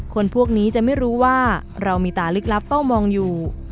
คนพวกนี้จะไม่รู้ว่าเรามีตาลึกลับเฝ้ามองอยู่